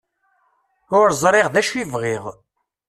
Ur ẓriɣ d acu i bɣiɣ.